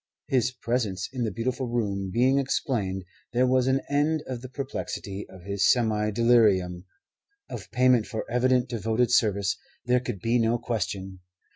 His presence in the beautiful room being explained, there was an end of the perplexity of his semi delirium. Of payment for evident devoted service there could be no question.